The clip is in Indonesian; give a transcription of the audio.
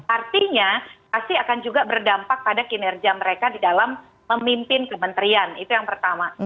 artinya pasti akan juga berdampak pada kinerja mereka di dalam memimpin kementerian itu yang pertama